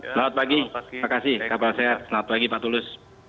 selamat pagi terima kasih kabar sehat selamat pagi pak tulus